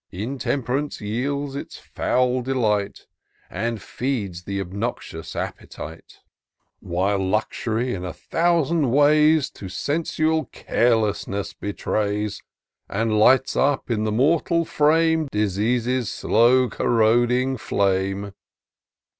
Intemp'rance yields its foul delight And feeds the obnoxious appetite ; K K 250 TOUR OF DOCTOR SYNTAX While Luxury^ in a thousand ways^ To sensual carelessness betrays. And lights up in the mortal frame Disease's slow corroding flame.